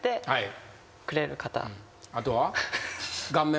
あとは？